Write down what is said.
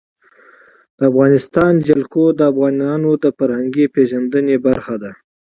د افغانستان جلکو د افغانانو د فرهنګي پیژندنې برخه ده.